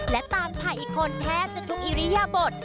และตามภัยคนแท้จนทุกอิริยบท